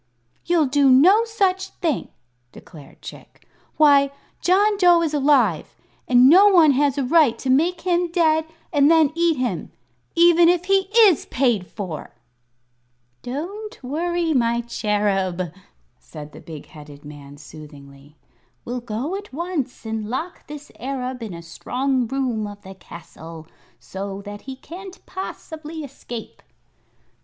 "You'll do no such thing," declared Chick. "Why, John Dough is alive, and no one has a right to make him dead and then eat him even if he is paid for!" "Don't worry, my Cherub," said the big headed man, soothingly; "we'll go at once and lock this Arab in a strong room of the castle, so that he can't possibly escape."